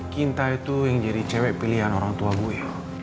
cinta itu yang jadi cewek pilihan orang tua gue